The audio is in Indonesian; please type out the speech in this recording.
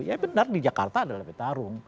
ya benar di jakarta adalah petarung